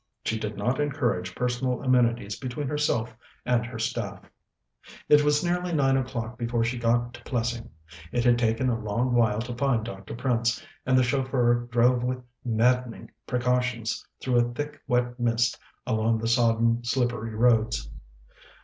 She did not encourage personal amenities between herself and her staff. It was nearly nine o'clock before she got to Plessing. It had taken a long while to find Dr. Prince, and the chauffeur drove with maddening precautions through a thick wet mist along the sodden, slippery roads.